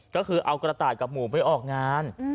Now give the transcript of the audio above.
ก็คือเอากระต่ายกับหมูไปออกงาน